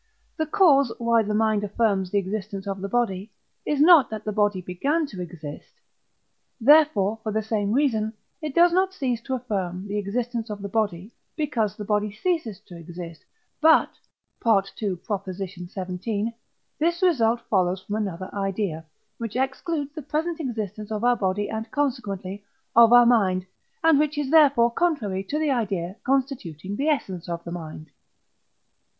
the cause, why the mind affirms the existence of the body, is not that the body began to exist; therefore, for the same reason, it does not cease to affirm the existence of the body, because the body ceases to exist; but (II. xvii.) this result follows from another idea, which excludes the present existence of our body and, consequently, of our mind, and which is therefore contrary to the idea constituting the essence of our mind.